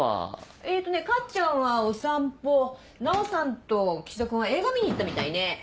えっとねカッチャンはお散歩奈央さんと岸田君は映画見に行ったみたいね。